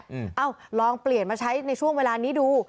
เอ้าลองเปลี่ยนมาใช้ในช่วงเวลานี้ดู